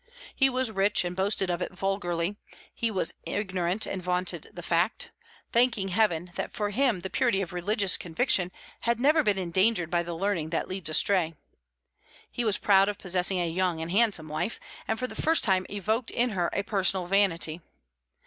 He was rich, and boasted of it vulgarly; he was ignorant, and vaunted the fact, thanking Heaven that for him the purity of religious conviction had never been endangered by the learning that leads astray; he was proud of possessing a young and handsome wife, and for the first time evoked in her a personal vanity.